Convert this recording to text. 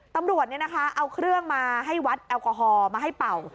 ตำรวจเอาเครื่องมาให้วัดแอลกอฮอลมาให้เป่า